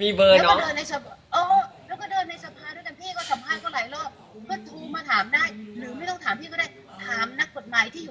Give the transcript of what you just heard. มีเบอร์เนี่ย